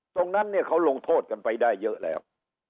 ตรงนั้นเนี่ยเขาลงโทษกันไปได้เยอะแล้ว